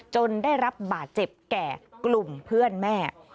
จนได้รับบาดเจ็บแก่กลุ่มเพื่อนแม่